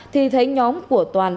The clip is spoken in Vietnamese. thì thấy nhóm của toàn